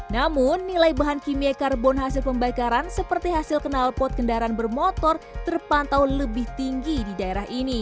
namun nilai bahan kimia karbon hasil pembakaran seperti hasil kenalpot kendaraan bermotor terpantau lebih tinggi di daerah ini